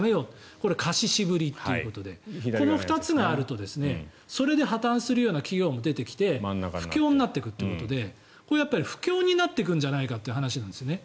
これ、貸し渋りということでこの２つがあるとそれで破たんするような企業が出てきて不況になっていくということでこれは不況になっていくんじゃないかという話なんですね。